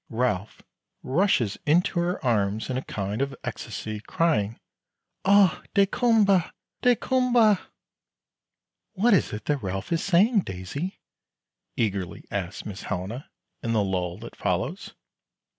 Ralph rushes into her arms in a kind of ecstasy, crying, "Oh, daykumboa! daykumboa!" "What is it that Ralph is saying, Daisy?" eagerly asks Miss Helena, in the lull that follows.